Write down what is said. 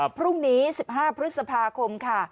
พรุ่งนี้๑๕พฤษภาคมค่ะ